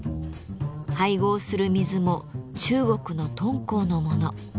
配合する水も中国の敦煌のもの。